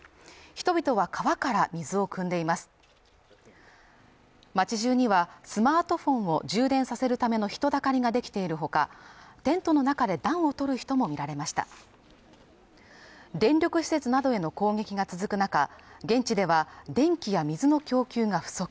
人々は川から水をくんでいます街中にはスマートフォンを充電させるための人だかりができているほかテントの中で暖をとる人も見られました電力施設などへの攻撃が続く中現地では電気や水の供給が不足